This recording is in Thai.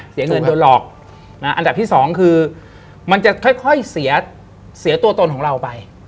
เสียเงินโดนหลอกอันดับที่สองคือมันจะค่อยเสียตัวตนของเราไป